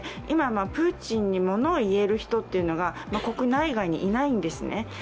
今、プーチンに物を言える人が国内外にいないんですね。